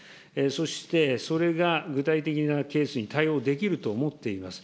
そして、それが具体的なケースに対応できると思っています。